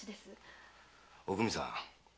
おくみさん